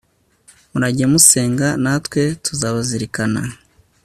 murajye musenga natwe tuzabazirikana